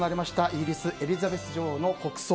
イギリス、エリザベス女王の国葬。